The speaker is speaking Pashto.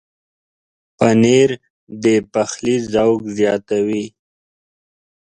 پنېر د پخلي ذوق زیاتوي.